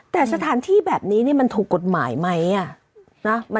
แต่สถานที่แบบนี้มันถูกกฎหมายไหม